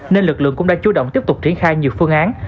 nên lực lượng cũng đã chú động tiếp tục triển khai nhiều phương án